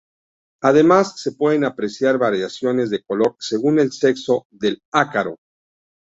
Además, se pueden apreciar variaciones de color según el sexo del ácaro.